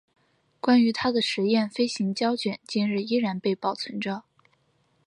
关于他的试验飞行胶卷今日依然被保存着。